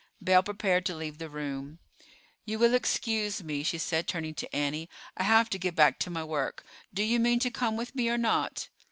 Belle prepared to leave the room. "You will excuse me," she said, turning to Annie. "I have to get back to my work. Do you mean to come with me or not?"